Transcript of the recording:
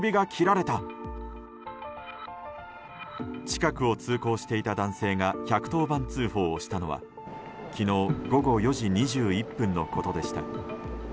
近くを通行していた男性が１１０番通報をしたのは昨日午後４時２１分のことでした。